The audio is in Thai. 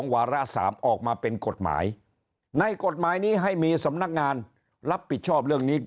วาระ๓ออกมาเป็นกฎหมายในกฎหมายนี้ให้มีสำนักงานรับผิดชอบเรื่องนี้